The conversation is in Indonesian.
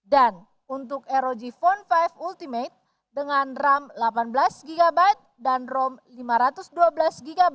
untuk rog phone lima ultimate dengan ram delapan belas gb dan rom lima ratus dua belas gb